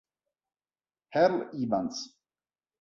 Earl Evans